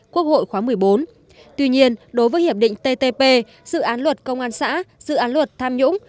quốc hội khóa một mươi bốn tuy nhiên đối với hiệp định ttp dự án luật công an xã dự án luật tham nhũng